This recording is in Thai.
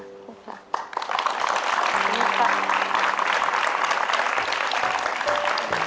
ขอบคุณค่ะ